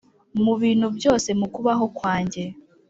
Mu bintu byose mu kubaho kwanjye.